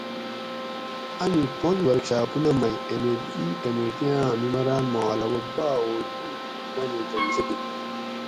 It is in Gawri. آمی پُنج ورکشاپونہ مئ ایم ایل ای کمیٹی آں ممبران ما علاوہ باہ او دوئ بیش مانوڄہ حصہ گِن